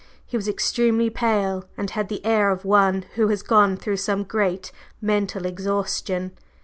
He was extremely pale, and had the air of one who has gone through some great mental exhaustion.